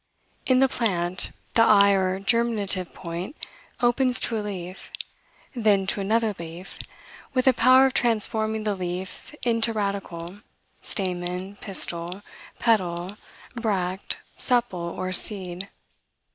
In the plant, the eye or germinative point opens to a leaf, then to another leaf, with a power of transforming the leaf into radicle, stamen, pistil, petal, bract, sepal, or seed.